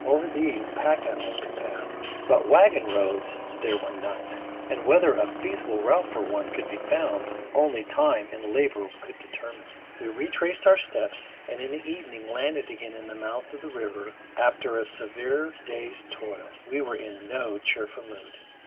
Over these pack animals could pass, but wagon roads there were none; and whether a feasible route for one could be found, only time and labor could determine. We retraced our steps, and in the evening landed again at the mouth of the river after a severe day's toil. We were in no cheerful mood.